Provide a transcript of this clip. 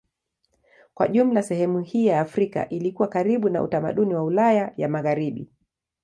Kwa jumla sehemu hii ya Afrika ilikuwa karibu na utamaduni wa Ulaya ya Magharibi.